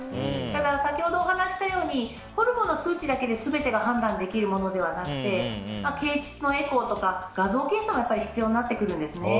ただ、先ほど話したようにホルモンの数値だけですべてが判断できるわけではなく経膣のエコーとか画像検査も必要になってくるんですね。